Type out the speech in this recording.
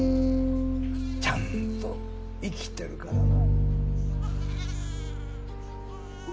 ちゃんと生きてるからな。